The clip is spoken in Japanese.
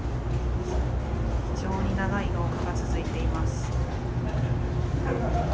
非常に長い廊下が続いています。